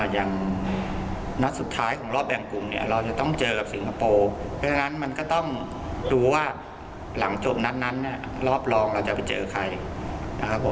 อย่างนัดสุดท้ายของรอบแบ่งกลุ่มเราจะต้องเจอกับสิงคโปร์ดังนั้นมันก็ต้องดูว่าหลังจบนัดนั้นรอบรองเราจะไปเจอใคร